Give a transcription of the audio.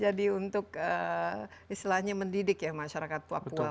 jadi untuk istilahnya mendidik ya masyarakat papua